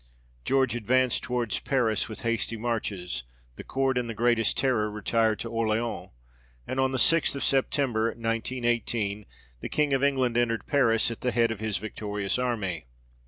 George advanced towards Paris with hasty marches ; the Court in the greatest terror retired to Orleans, and on the sixth of September, 1918, the King of England entered Paris at the head of his victorious army.